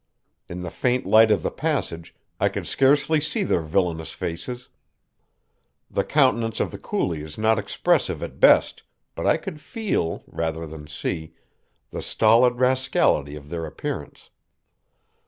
In the faint light of the passage I could scarcely see their villainous faces. The countenance of the coolie is not expressive at best, but I could feel, rather than see, the stolid rascality of their appearance.